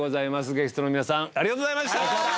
ゲストの皆さんありがとうございました！